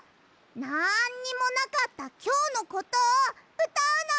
なんにもなかったきょうのことをうたうの！